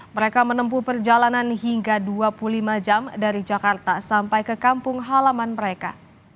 mereka menempuh perjalanan hingga dua puluh lima jam dari jakarta sampai ke kampung halaman mereka